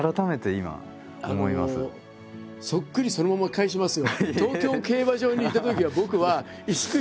そっくりそのまま返しますよ。